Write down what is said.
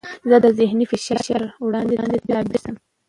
زه د ذهني فشار پر وړاندې تدابیر نیسم.